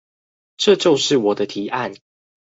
這就是我的提案